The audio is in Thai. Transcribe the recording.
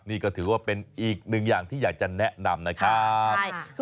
นี่ก็ถือว่าเป็นอีกหนึ่งอย่างที่อยากจะแนะนำนะครับ